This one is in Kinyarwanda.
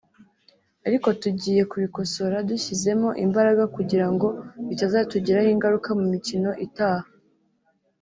ariko tugiye kubikosora dushyizemo imbaraga kugira ngo bitazatugiraho ingaruka mu mikino itaha”